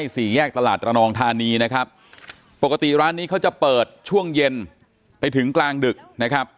สี่แยกตลาดระนองธานีนะครับปกติร้านนี้เขาจะเปิดช่วงเย็นไปถึงกลางดึกนะครับ